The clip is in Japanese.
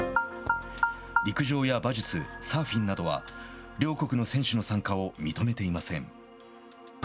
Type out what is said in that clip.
陸上や馬術、サーフィンなどは両国の選手の参加を認めていません。